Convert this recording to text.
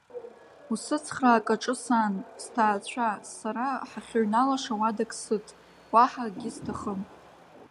Усыцхраа акаҿы сан, сҭаацәа, сара ҳахьыҩналаша уадак сыҭ, уаҳа акгьы сҭахым.